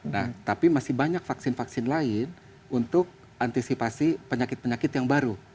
nah tapi masih banyak vaksin vaksin lain untuk antisipasi penyakit penyakit yang baru